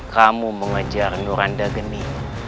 kamu mengejar nuranda geni